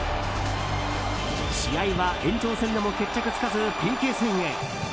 試合は延長戦でも決着つかずＰＫ戦へ。